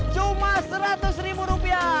cuma seratus ribu rupiah